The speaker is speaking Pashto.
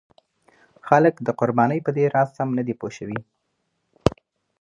خلک د قربانۍ په دې راز سم نه دي پوه شوي.